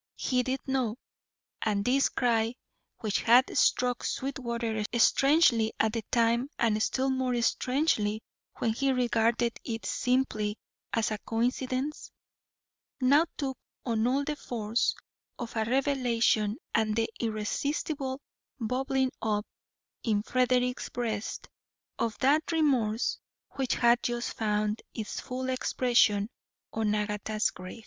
He did know, and this cry which had struck Sweetwater strangely at the time and still more strangely when he regarded it simply as a coincidence, now took on all the force of a revelation and the irresistible bubbling up in Frederick's breast of that remorse which had just found its full expression on Agatha's grave.